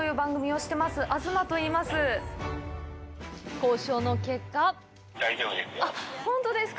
交渉の結果本当ですか？